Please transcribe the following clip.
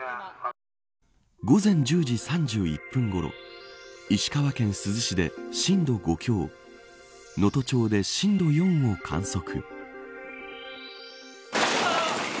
午前１０時３１分ごろ石川県珠洲市で震度５強を能登町で震度４を観測。